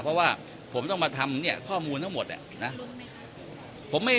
เพราะว่าผมต้องมาทำเนี่ยข้อมูลทั้งหมดเนี่ยนะ